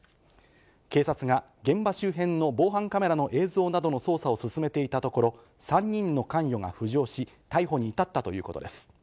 警察が現場周辺の防犯カメラの映像などの捜査を進めていたところ、３人の関与が浮上し、逮捕に至ったということです。